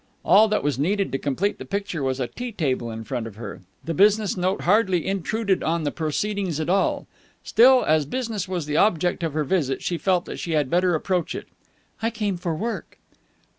All that was needed to complete the picture was a tea table in front of her. The business note hardly intruded on the proceedings at all. Still, as business was the object of her visit, she felt that she had better approach it. "I came for work."